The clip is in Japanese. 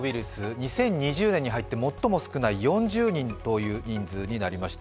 ２０２０年に入って最も少ない４０人という人数になりました。